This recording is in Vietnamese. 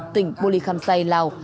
tỉnh bô lì kham say lào